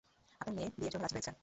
আপনার মেয়ে বিয়ের জন্য রাজি হয়েছে!